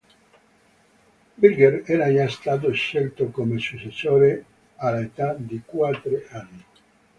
Birger era già stato scelto come successore all'età di quattro anni.